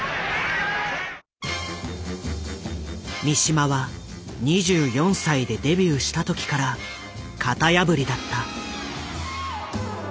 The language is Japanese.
三島は２４歳でデビューした時から型破りだった。